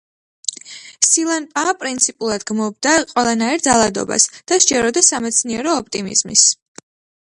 სილანპაა პრინციპულად გმობდა ყველანაირ ძალადობას და სჯეროდა სამეცნიერო ოპტიმიზმის.